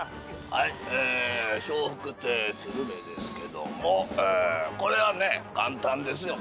え笑福亭鶴瓶ですけどもこれはね簡単ですよ。